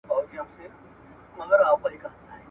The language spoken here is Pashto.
بیا موسم د شګوفو سو غوړېدلی ارغوان دی ..